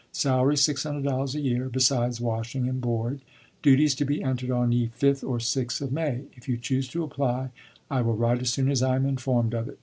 Salary $600 a year, besides washing and Board; duties to be entered on ye 5th or 6th of May. If you choose to apply, I will write as soon as I am informed of it.